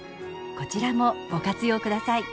こちらもご活用ください。